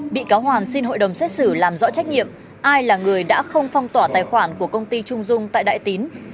bị cáo hoàn xin hội đồng xét xử làm rõ trách nhiệm ai là người đã không phong tỏa tài khoản của công ty trung dung tại đại tín